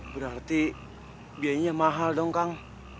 berarti biayanya mahal dong kang